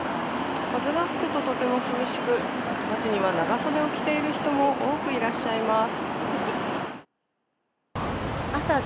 風が吹くととても涼しく街には長袖を着ている人も多くいらっしゃいます。